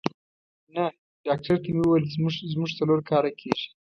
نه، ډاکټر ته مې وویل چې زموږ څلور کاله کېږي.